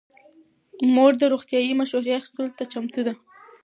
مور د روغتیايي مشورې اخیستلو ته چمتو ده.